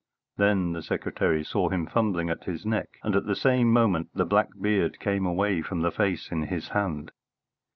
Then the secretary saw him fumbling at his neck, and at the same moment the black beard came away from the face in his hand.